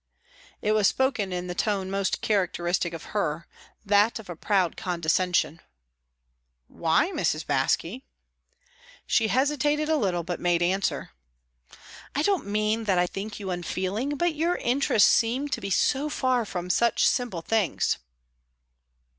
It was spoken in the tone most characteristic of her, that of a proud condescension. "Why, Mrs. Baske?" She hesitated a little, but made answer: "I don't mean that I think you unfeeling, but your interests seem to be so far from such simple things."